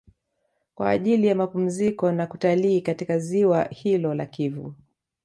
Kwa ajili ya mapumziko na kutalii katika Ziwa hilo la Kivu